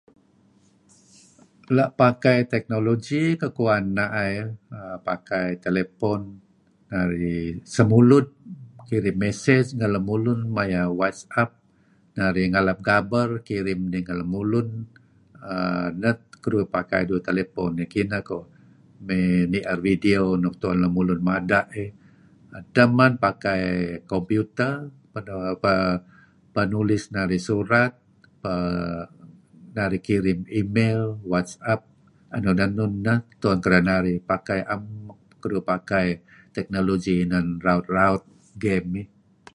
La' pakai teknologi kuh kuan nai; uhm pakai telephone narih semulud kirim message ngen lemulun maya' whatsapp narih ngalap gaber kirim idih ngen lemlun nah keduih pakai duih telephone dih nuk kinah koh. Nir video nuk tuen lemulun mada' iih. Edteh man pakai computer pah nulis narih surat pah narih kirim email whattsap enun-enun narih pakai am keduih pakai teknologi raut-raut games iih.